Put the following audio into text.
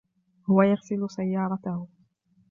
هو يغسل سيارته.